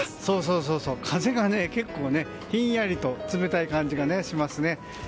そうそう、風が結構ひんやりと冷たい感じがしますね。